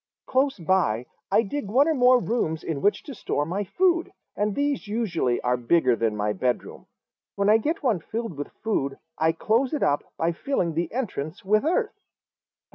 Close by I dig one or more rooms in which to store my food, and these usually are bigger than my bedroom. When I get one filled with food I close it up by filling the entrance with earth."